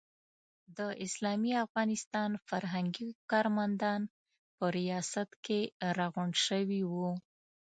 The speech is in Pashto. د اسلامي افغانستان فرهنګي کارمندان په ریاست کې راغونډ شوي وو.